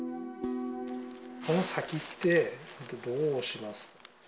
この先って、どうします？